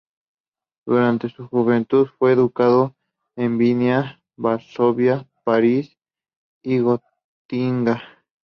Durante su juventud fue educado en Viena, Varsovia, París y Gotinga.